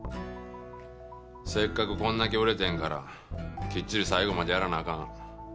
せっかくこんだけ売れたんやからきっちり最後までやらなあかん。